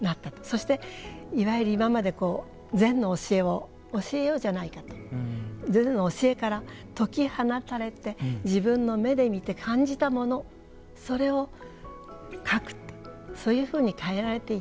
そしていわゆる今まで禅の教えを教えようじゃないかと禅の教えから解き放たれて自分の目で見て感じたものそれを描くとそういうふうに変えられていったと。